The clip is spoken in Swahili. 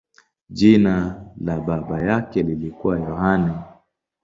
Jina la baba yake lilikuwa Yohane.